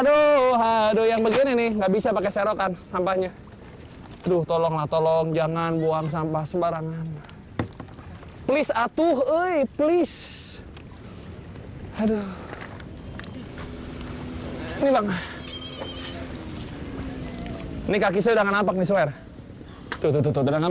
udah kena mulut udah gak tau dah